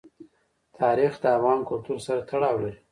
تاریخ د افغان کلتور سره تړاو لري.